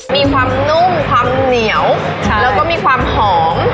มีความนุ่มความเหนียวแล้วก็มีความหอม